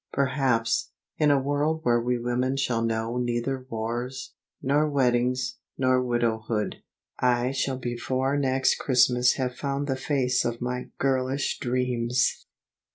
perhaps, in a world where we women shall know neither wars, nor weddings, nor widowhood, I shall before next Christmas have found the face of my girlish dreams!